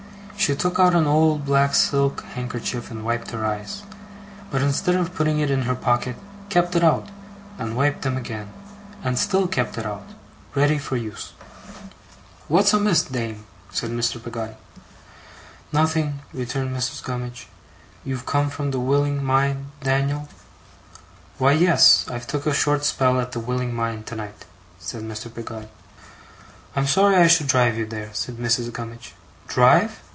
She took out an old black silk handkerchief and wiped her eyes; but instead of putting it in her pocket, kept it out, and wiped them again, and still kept it out, ready for use. 'What's amiss, dame?' said Mr. Peggotty. 'Nothing,' returned Mrs. Gummidge. 'You've come from The Willing Mind, Dan'l?' 'Why yes, I've took a short spell at The Willing Mind tonight,' said Mr. Peggotty. 'I'm sorry I should drive you there,' said Mrs. Gummidge. 'Drive!